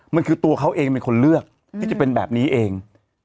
มันคือตัวเขาเองเป็นคนเลือกที่จะเป็นแบบนี้เอง